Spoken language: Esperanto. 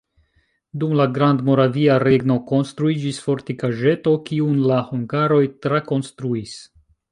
Dum la Grandmoravia regno konstruiĝis fortikaĵeto, kiun la hungaroj trakonstruis.